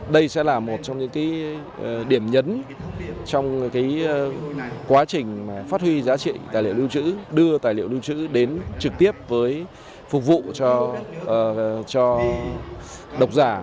đây sẽ là một trong những điểm nhấn trong quá trình phát huy giá trị tài liệu lưu trữ đưa tài liệu lưu trữ đến trực tiếp với phục vụ cho độc giả